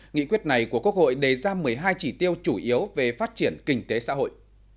nghị quyết này của quốc hội đề ra một mươi hai chỉ tiêu chủ yếu về phát triển kinh tế xã hội